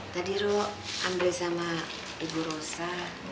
tadi rok ambil sama ibu rosa